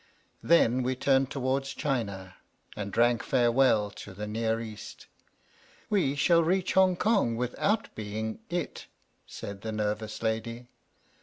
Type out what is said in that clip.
Then we turned towards China and drank farewell to the nearer East. "We shall reach Hongkong without being it," said the nervous lady.